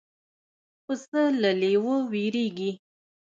پسه له لېوه وېرېږي.